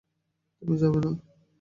তুমি যাবে না?